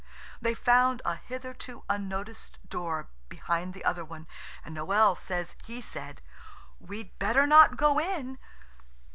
They found a hitherto unnoticed door behind the other one, and Noël says he said, "We'd better not go in."